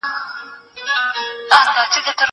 زه کولای سم کتابتون ته راشم!